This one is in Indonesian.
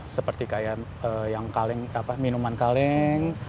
seperti minuman kaleng